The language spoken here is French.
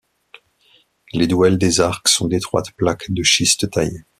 Les douelles des arcs sont d'étroites plaques de schiste taillées.